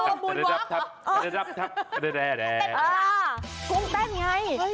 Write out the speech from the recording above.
โอ้โหบุรกรุงหวังหรอ